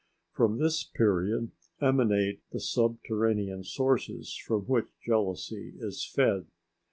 From this period emanate the subterranean sources from which jealousy is fed.